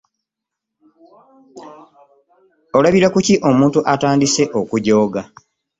Olabira kuki omuntu atandise okujooga?